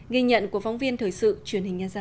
ghi nhận của phóng viên thời sự truyền hình nghe ra